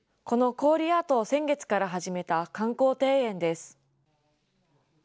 この氷アートを先月から始めた観光庭園です。